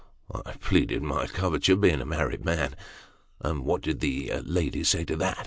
I pleaded my coverture ; being a married man." "And what did the lady say to that?"